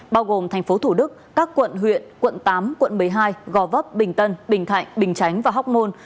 bao gồm thành phố thủ đức các quận huyện quận tám quận một mươi hai gò vấp bình tân bình thạnh bình chánh và hóc môn